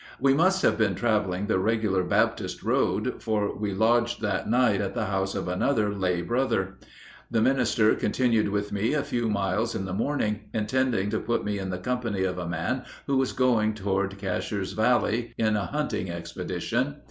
We must have been traveling the regular Baptist road, for we lodged that night at the house of another lay brother. The minister continued with me a few miles in the morning, intending to put me in the company of a man who was going toward Casher's Valley on a hunting expedition.